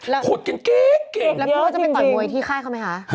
แล้วพี่มอสจะไปป่อยมวยที่ค่ายเขาไหมคะ